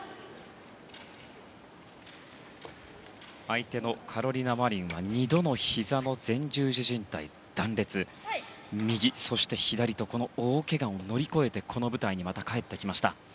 相手のカロリナ・マリンは２度のひざの前十字じん帯断裂右、そして左と大けがを乗り越えてこの舞台に帰ってきました。